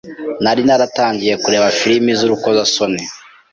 nari naratangiye kureba filime z’urukozasoni